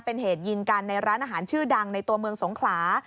เป็นเหตุยิงกันในร้านอาหารชื่อดังในตัวเมืองสงขลา